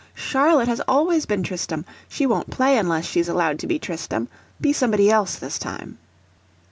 "Charlotte has always been Tristram. She won't play unless she's allowed to be Tristram! Be somebody else this time."